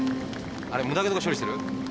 あれ無駄毛とか処理してる？